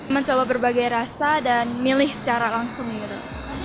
mencoba berbagai rasa dan milih secara langsung gitu